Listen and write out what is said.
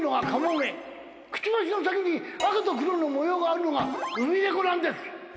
くちばしの先に赤と黒の模様があるのがウミネコなんです。